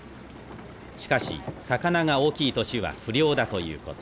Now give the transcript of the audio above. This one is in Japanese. しかし魚が大きい年は不漁だということ。